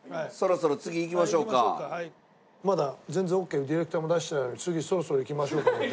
まだ全然オッケーディレクターも出してないのに「次そろそろ行きましょう」だなんて。